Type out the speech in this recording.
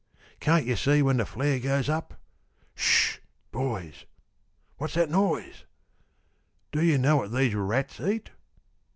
Can 't you see When the flare goes up ? Ssh ! boys ; what's that noise ? Do you know what these rats eat